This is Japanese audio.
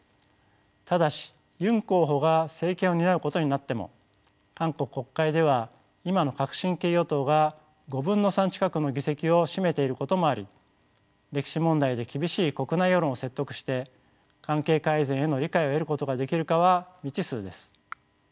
ただしユン候補が政権を担うことになっても韓国国会では今の革新系与党が５分の３近くの議席を占めていることもあり歴史問題で厳しい国内世論を説得して関係改善への理解を得ることができるかは未知数です。